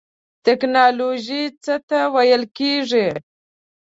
ټیکنالوژی څه ته ویل کیږی؟